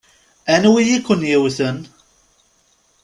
Anwi i ken-yewwten?